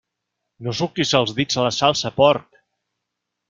No suquis els dits a la salsa, porc!